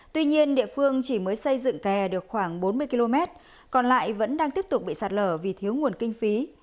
tuy nhiên địa phương chỉ mới xây dựng kè được khoảng bốn mươi km còn lại vẫn đang tiếp tục bị sạt lở vì thiếu nguồn kinh phí